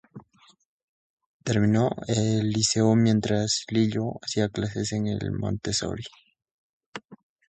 Terminó el liceo mientras Lillo hacía clases en el Montessori".